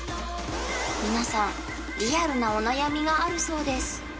皆さんリアルなお悩みがあるそうです